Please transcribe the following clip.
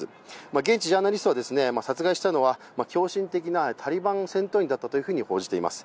現地ジャーナリストは殺害したのは狂信的なタリバン戦闘員だったと報じています。